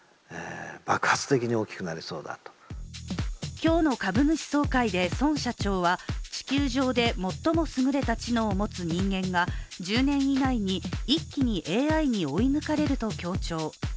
今日の株主総会で孫社長は地球上で最も優れた知能を持つ人間が１０年以内に一気にＡＩに追い抜かれると強調。